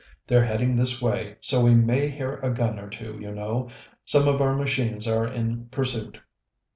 They're heading this way, so we may hear a gun or two, you know; some of our machines are in pursuit."